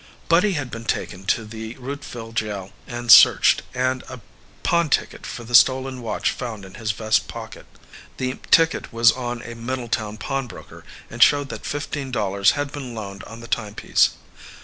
Buddy had been taken to the Rootville jail and searched, and a pawn ticket for the stolen watch found in his vest pocket. The ticket was on a Middletown pawnbroker, and showed that fifteen dollars had been loaned on the timepiece.